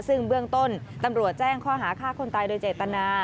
ซึ่งเบื้องต้นตำรวจแจ้งข้อหาฆ่าคนตายโดยเจตนา